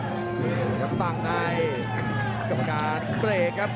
โอเคครับต่างในกรรมการเบรกครับ